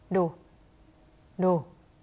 ดูดู